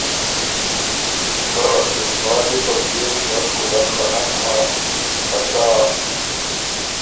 که اقبال يې په بيېلی بد کُولک خه نک هۀ خه سا